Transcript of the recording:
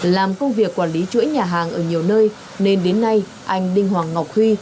làm công việc quản lý chuỗi nhà hàng ở nhiều nơi nên đến nay anh đinh hoàng ngọc huy